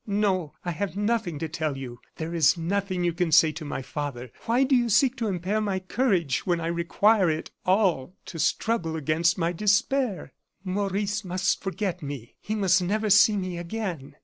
No, I have nothing to tell you; there is nothing you can say to my father. Why do you seek to impair my courage when I require it all to struggle against my despair? Maurice must forget me; he must never see me again.